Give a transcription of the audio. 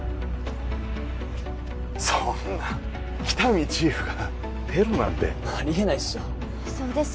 そんな喜多見チーフがテロなんてありえないっしょそうです